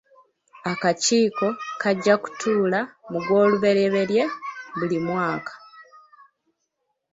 Akakiiko kajja kutuula mu Gwolubereberye buli mwaka.